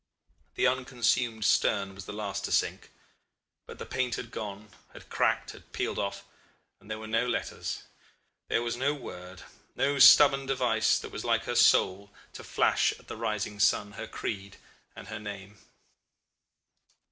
The unconsumed stern was the last to sink; but the paint had gone, had cracked, had peeled off, and there were no letters, there was no word, no stubborn device that was like her soul, to flash at the rising sun her creed and her name.